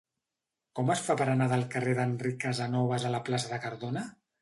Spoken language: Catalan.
Com es fa per anar del carrer d'Enric Casanovas a la plaça de Cardona?